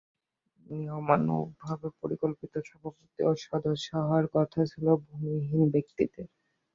নিয়মানুযায়ী প্রকল্পের সভাপতি ও সদস্য হওয়ার কথা ছিল ভূমিহীন ব্যক্তিদের।